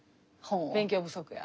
「勉強不足や」。